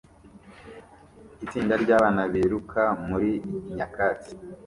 Itsinda ryabana biruka muri nyakatsi